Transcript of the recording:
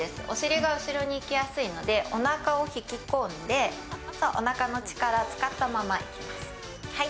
お尻が後ろにいきやすいので、おなかを引き込んで、おなかの力を使ったままいきます。